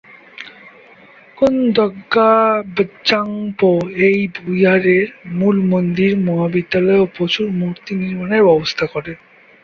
কুন-দ্গা'-ব্জাং-পো এই বিহারের মূল মন্দির, মহাবিদ্যালয় ও প্রচুর মূর্তি নির্মাণের ব্যবস্থা করেন।